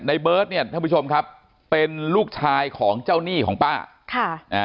เบิร์ตเนี่ยท่านผู้ชมครับเป็นลูกชายของเจ้าหนี้ของป้าค่ะอ่า